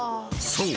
［そう。